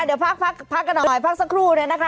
เดี๋ยวพักกันหน่อยพักสักครู่เนี่ยนะคะ